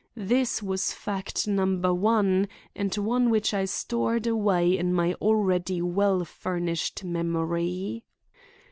This was fact number one, and one which I stored away in my already well furnished memory.